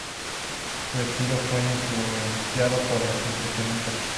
Su estilo fue influenciado por los impresionistas.